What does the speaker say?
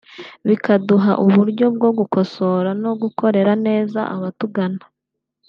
bikaduha uburyo bwo gukosora no gukorera neza abatugana